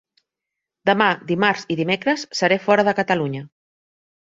Demà, dimarts i dimecres seré fora de Catalunya.